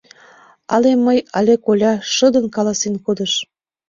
— Але мый, але коля! — шыдын каласен кодыш.